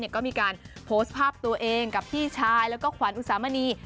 ก็มีการโพสต์ภาพตัวเองกับพี่ชายแล้วก็ขวัญอุสามณี